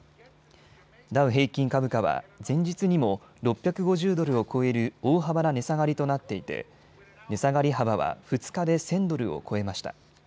ダウ平均株価は前日にも６５０ドルを超える大幅な値下がりとなっていて値下がり幅は２日で１０００ドルを超えました。